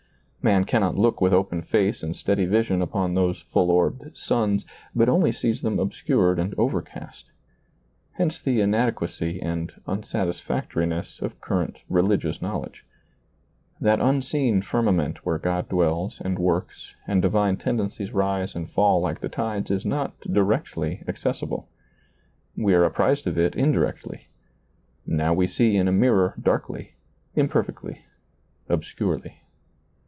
Man cannot look with open face and steady vision upon those full orbed suns, but only sees them obscured and overcast: hence the inadequacy and unsatisfac toriness of current religious knowledge. That unseen firmament where God dwells and works and divine tendencies rise and fall like the tides is not directly accessible. We are apprised of it in directly ; now we see in a mirror darkly, imper fectly, obscurely.